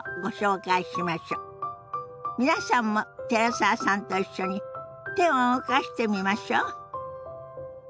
皆さんも寺澤さんと一緒に手を動かしてみましょ。